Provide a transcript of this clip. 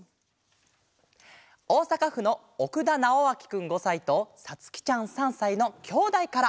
おおさかふのおくだなおあきくん５さいとさつきちゃん３さいのきょうだいから。